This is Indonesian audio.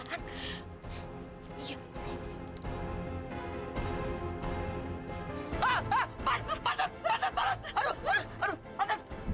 ah ah pantan pantan pantan